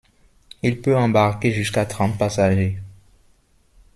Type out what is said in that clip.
Il peut embarquer jusqu'à trente passagers.